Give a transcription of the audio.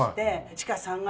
地下３階？